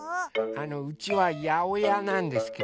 あのうちはやおやなんですけど。